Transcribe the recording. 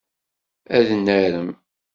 Ad narem.